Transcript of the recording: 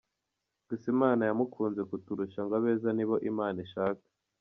Gusa imana ya mukunze kuturusha ngo abeza nibo imana ishaka.